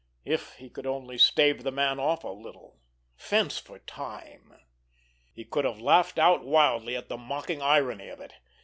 If he could only stave the man off a little, fence for time! He could have laughed out wildly at the mocking irony of it.